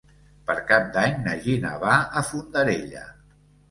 Per Cap d'Any na Gina va a Fondarella.